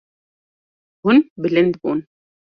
Hûn bilind bûn.